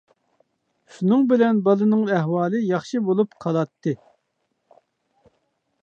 شۇنىڭ بىلەن بالىنىڭ ئەھۋالى ياخشى بولۇپ قالاتتى.